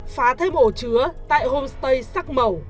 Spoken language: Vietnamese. phá thêm ổ chứa tại homestay sắc mẩu